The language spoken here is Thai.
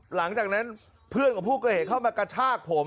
หลังจากนั้นเพื่อนของผู้ก่อเหตุเข้ามากระชากผม